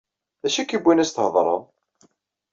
D acu i k-yewwin ad as-theḍṛeḍ?